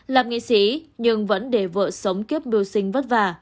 làm nghệ sĩ nhưng vẫn để vợ sống kiếp biêu sinh vất vả